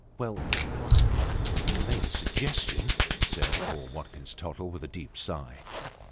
" Well well I only made a suggestion," said poor Watkins Tottle, with a deep sigh.